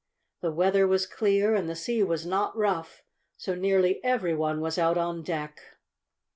The weather was clear and the sea was not rough, so nearly every one was out on deck.